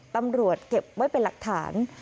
ตำรวจเก็บไว้เป็นหลักฐาน